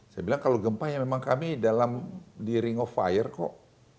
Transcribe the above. saya bilang kalau gempa ya memang kami dalam di ring of fire kok